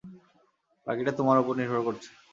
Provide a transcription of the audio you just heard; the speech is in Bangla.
বাকিটা তোমার উপর নির্ভর করছে।